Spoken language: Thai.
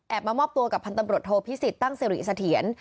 แอบมามอบตัวกับพันธมรถโทษภิษฐ์ตั้งเสรีเสถียร